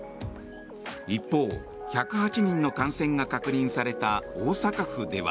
一方、１０８人の感染が確認された大阪府では。